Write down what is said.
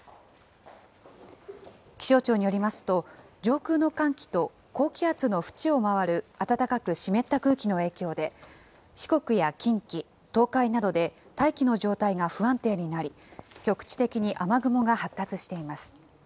気象庁によりますと、上空の寒気と高気圧の縁を回る暖かく湿った空気の影響で、四国や近畿、東海などで、大気の状態が不安定になり、局地的に雨雲が発達しています。